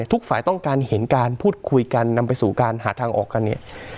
ทุกฝ่ายต้องการเห็นการพูดคุยกันนำไปสู่การหาทางออกกันเนี่ย